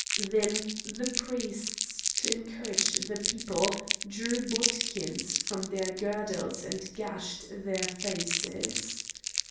Then the priests, to encourage the people, drew bodkins from their girdles and gashed their faces.